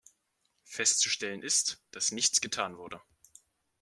Festzustellen ist, dass nichts getan wurde.